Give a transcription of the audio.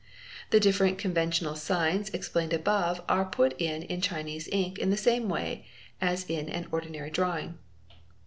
The different conventional signs explained above are put in in Chinese ink in the same way as in an ordinary drawing.